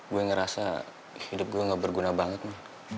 gue ngerasa hidup gue gak berguna banget mah